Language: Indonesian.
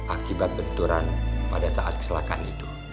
akibat benturan pada saat kecelakaan itu